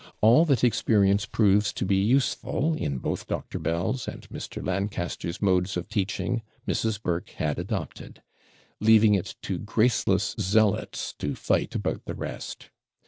All that experience proves to be useful, in both Dr. Bell's and Mr. Lancaster's modes of teaching, Mrs. Burke had adopted; leaving it to 'graceless zealots' to fight about the rest.